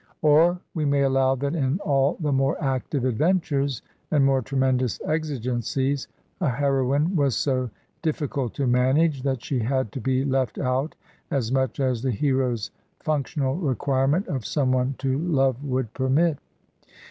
Or, we may allow that in all the more active adventures and more tremendous exigencies, a heroine was so dif ficult to manage that she had to be left out as much as the hero's functional requirement of some one to love would permit.